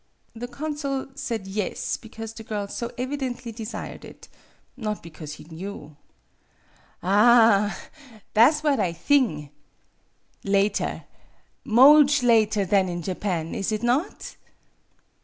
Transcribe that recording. The consul said yes because the girl so evidently desired it not because he knew. "Aha! Tha' 's what I thing. Later moach later than in Japan, is it not?"